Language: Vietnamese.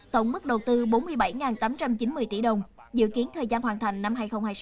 tổng mức đầu tư bốn mươi bảy tám trăm chín mươi tỷ đồng dự kiến thời gian hoàn thành năm hai nghìn hai mươi sáu